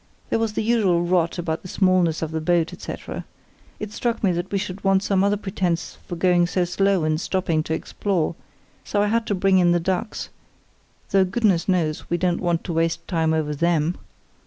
There was the usual rot about the smallness of the boat, etc. It struck me that we should want some other pretence for going so slow and stopping to explore, so I had to bring in the ducks, though goodness knows we don't want to waste time over _them.